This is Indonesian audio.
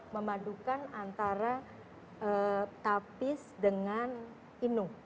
memadukan antara tapis dengan inung